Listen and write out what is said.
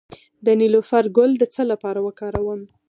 د نیلوفر ګل د څه لپاره وکاروم؟